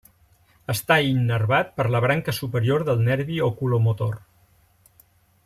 Està innervat per la branca superior del nervi oculomotor.